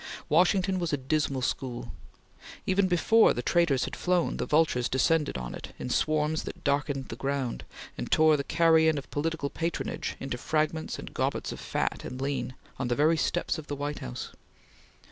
Washington was a dismal school. Even before the traitors had flown, the vultures descended on it in swarms that darkened the ground, and tore the carrion of political patronage into fragments and gobbets of fat and lean, on the very steps of the White House.